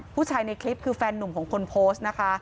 ในคลิปคือแฟนนุ่มของคนโพสต์นะคะ